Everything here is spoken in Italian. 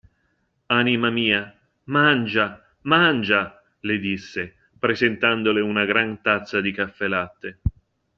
Anima mia; mangia, mangia, – le disse, presentandole una gran tazza di caffelatte.